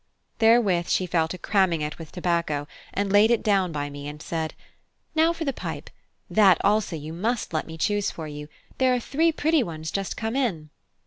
Therewith she fell to cramming it with the tobacco, and laid it down by me and said, "Now for the pipe: that also you must let me choose for you; there are three pretty ones just come in."